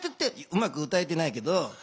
うまく歌えてないけど。